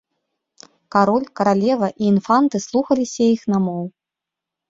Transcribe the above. Кароль, каралева і інфанты слухаліся іх намоў.